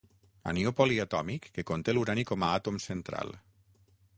Anió poliatòmic que conté l'urani com a àtom central.